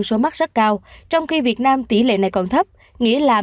số ca nhiễm tăng cao nhất